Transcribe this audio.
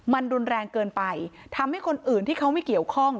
มันรุนแรงเกินไปทำให้คนอื่นที่เขาไม่เกี่ยวข้อง